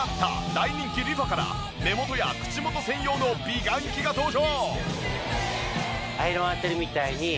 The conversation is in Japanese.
大人気ＲｅＦａから目元や口元専用の美顔器が登場！